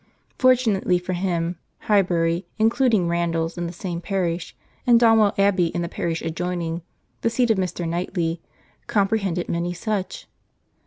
Fortunately for him, Highbury, including Randalls in the same parish, and Donwell Abbey in the parish adjoining, the seat of Mr. Knightley, comprehended many such.